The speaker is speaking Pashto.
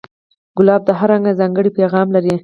ګلاب د هر رنگ ځانګړی پیغام لري.